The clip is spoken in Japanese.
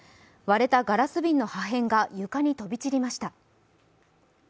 割れたガラス瓶の破片が床に飛び散りました。